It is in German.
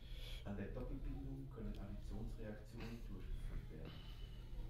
An der Doppelbindung können Additionsreaktionen durchgeführt werden.